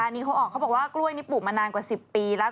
นี่เขาออกเขาบอกว่ากล้วยนี่ปลูกมานานกว่า๑๐ปีแล้ว